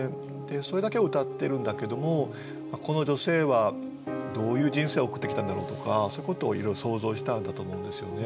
それだけをうたってるんだけれどもこの女性はどういう人生を送ってきたんだろうとかそういうことをいろいろ想像したんだと思うんですよね。